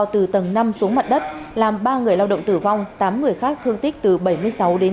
từ tầng năm xuống mặt đất làm ba người lao động tử vong tám người khác thương tích từ bảy mươi sáu đến sáu mươi